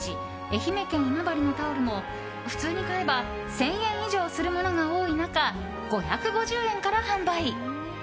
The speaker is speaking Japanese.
愛媛県今治のタオルも普通に買えば１０００円以上するものが多い中、５５０円から販売。